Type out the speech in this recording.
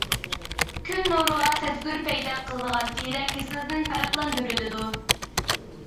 كۈن نۇرىغا سەزگۈر پەيدا قىلىدىغان تېرە كېسىلىدىن پەرقلەندۈرۈلىدۇ.